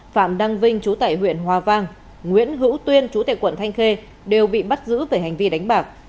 phạm đăng vinh chú tại huyện hòa vang nguyễn hữu tuyên chú tệ quận thanh khê đều bị bắt giữ về hành vi đánh bạc